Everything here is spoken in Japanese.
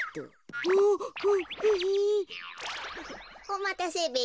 おまたせべ。